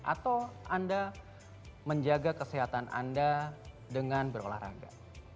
atau anda menjaga kesehatan anda dengan berolahraga